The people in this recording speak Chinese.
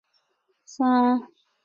本县为一禁酒的县。